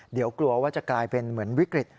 เดี๋ยวกลัวว่าจะกลายเป็นเหมือนวิกฤต